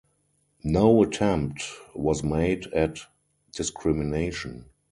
No attempt was made at discrimination.